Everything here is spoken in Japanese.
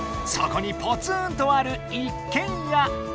そこにポツンとある一軒家。